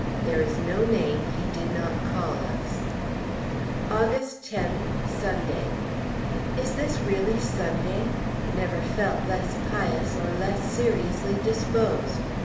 There is no name he did not call us. August 10th, Sunday. Is this really Sunday? Never felt less pious, or less seriously disposed!